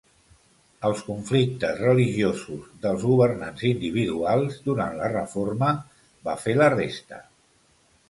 Els conflictes religiosos dels governants individuals durant la Reforma, va fer la resta.